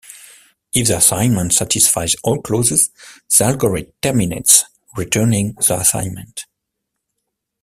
If the assignment satisfies all clauses, the algorithm terminates, returning the assignment.